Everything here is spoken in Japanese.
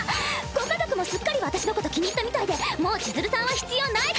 ⁉ご家族もすっかり私のこと気に入ったみたいでもう千鶴さんは必要ない。